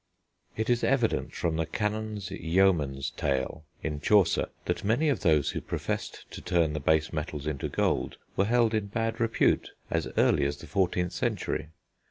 It is evident from the Canon's Yeoman's Tale in Chaucer, that many of those who professed to turn the base metals into gold were held in bad repute as early as the 14th century.